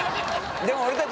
でも俺達